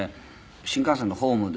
新幹線のホームで。